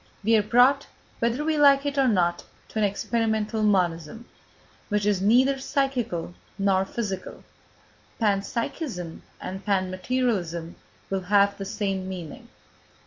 We are brought, whether we like it or not, to an experimental monism, which is neither psychical nor physical; panpsychism and panmaterialism will have the same meaning.